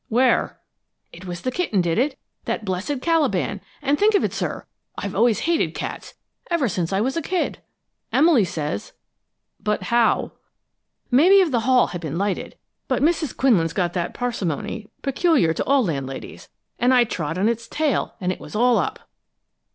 "Where " "It was the kitten did it that blessed Caliban! And think of it, sir; I've always hated cats, ever since I was a kid! Emily says " "But how " "Maybe if the hall had been lighted but Mrs. Quinlan's got that parsimony peculiar to all landladies and I trod on its tail, and it was all up!"